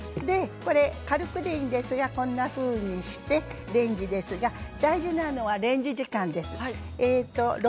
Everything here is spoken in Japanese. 軽くでいいんですけどこんなふうにしてレンジですが大事なのはレンジ時間です。